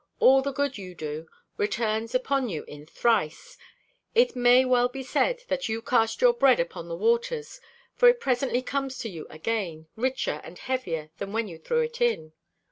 All the good you do, returns upon you in a trice. It may well be said you cast your bread upon the waters; for it presently comes to you again, richer and heavier than when you threw it in.